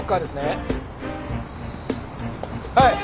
はい。